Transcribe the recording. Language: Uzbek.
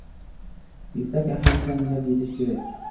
Yuksak ahamiyatini anglab yetish kerak.